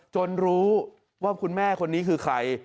รู้ว่าคุณแม่คนนี้คือใคร